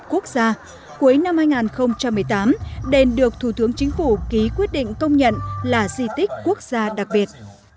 cuối năm hai nghìn một mươi tám đền được thủ tướng chính phủ ký quyết định công nhận là di tích quốc gia đặc biệt